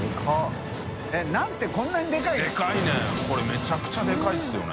めちゃくちゃでかいですよね。